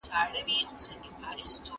که انا ماشوم ته غېږه ورکړي هغه به ارام شي.